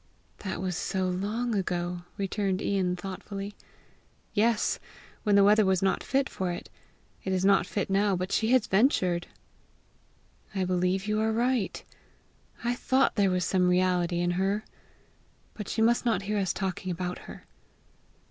"That was so long ago!" returned Ian thoughtfully. "Yes when the weather was not fit for it. It is not fit now, but she has ventured!" "I believe you are right! I thought there was some reality in her! But she must not hear us talking about her!"